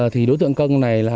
thì đối tượng cân này